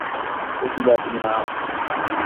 قُتلا في المعركة.